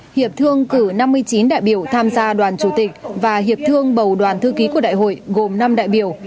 hiệp thương cử năm mươi chín đại biểu tham gia đoàn chủ tịch và hiệp thương bầu đoàn thư ký của đại hội gồm năm đại biểu